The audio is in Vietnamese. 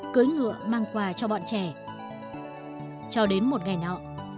cưới ngựa mang quà cho bọn trẻ cho đến một ngày nọ